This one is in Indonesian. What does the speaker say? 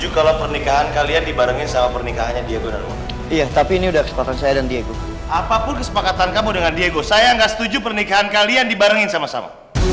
kalo aku tuh gak marah sama mama